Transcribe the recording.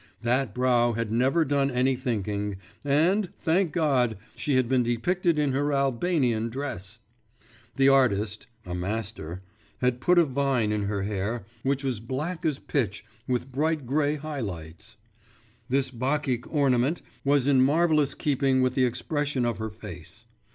… That brow had never done any thinking, and, thank God, she had been depicted in her Albanian dress! The artist (a master) had put a vine in her hair, which was black as pitch with bright grey high lights; this Bacchic ornament was in marvellous keeping with the expression of her face.